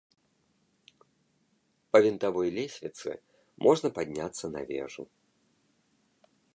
Па вінтавой лесвіцы можна падняцца на вежу.